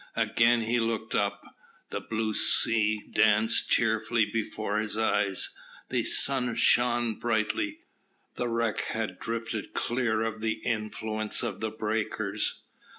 Again he looked up. The blue sea danced cheerfully before his eyes; the sun shone brightly; the wreck had drifted clear of the influence of the breakers.